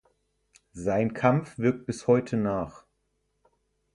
Sein Kampf wirkt bis heute nach.